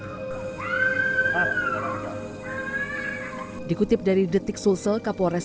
terus meronta suara jeritannya pun semakin kencang dikutip dari detik sulsel kapolres